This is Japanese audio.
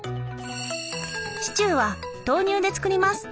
シチューは豆乳で作ります。